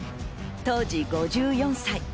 当時５４歳。